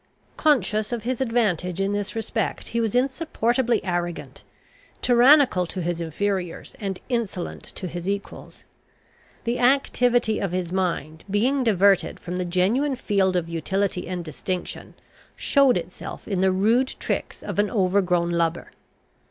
Conscious of his advantage in this respect, he was insupportably arrogant, tyrannical to his inferiors, and insolent to his equals. The activity of his mind being diverted from the genuine field of utility and distinction, showed itself in the rude tricks of an overgrown lubber.